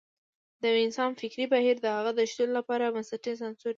د يو انسان فکري بهير د هغه د شتون لپاره بنسټیز عنصر دی.